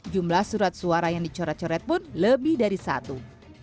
jumlah surat suara yang dicoret coret pun lebih dari satu